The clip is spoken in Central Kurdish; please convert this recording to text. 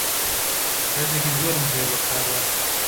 ڕێزێکی زۆرم هەیە بۆ کاروان.